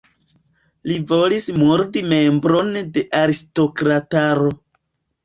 Li volis murdi membron de aristokrataro.